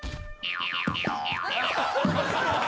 ハハハハ！